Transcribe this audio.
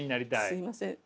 すいません。